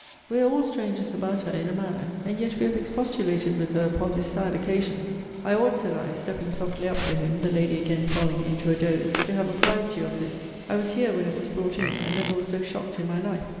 We are all strangers about her, in a manner: and yet we have expostulated with her upon this sad occasion. I ought, said I, (stepping softly up to him, the lady again falling into a doze,) to have apprized you of this. I was here when it was brought in, and never was so shocked in my life.